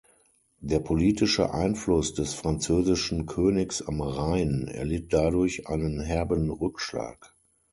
Der politische Einfluss des französischen Königs am Rhein erlitt dadurch einen herben Rückschlag.